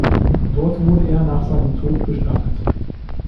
Dort wurde er nach seinem Tod bestattet.